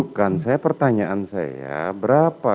bukan pertanyaan saya berapa